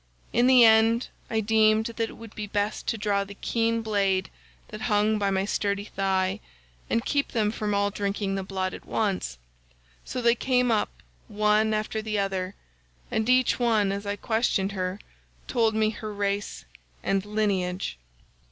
In the end I deemed that it would be best to draw the keen blade that hung by my sturdy thigh, and keep them from all drinking the blood at once. So they came up one after the other, and each one as I questioned her told me her race and lineage.